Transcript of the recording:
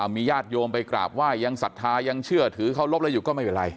มีญาติโยมไปกราบไหว้ยังศรัทธายังเชื่อถือเคารพอะไรอยู่ก็ไม่เป็นไร